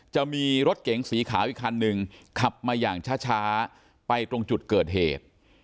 จะมีรถเก๋งสีขาวอีกคันหนึ่งขับมาอย่างช้าไปตรงจุดเกิดเหตุ